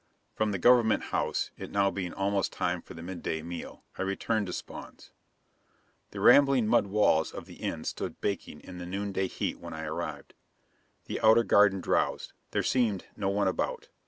From the Government House, it now being almost time for the midday meal, I returned to Spawn's. The rambling mud walls of the Inn stood baking in the noonday heat when I arrived. The outer garden drowsed; there seemed no one about.